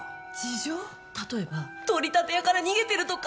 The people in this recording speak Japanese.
例えば取り立て屋から逃げてるとか。